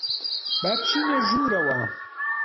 با بچینە ژوورەوە.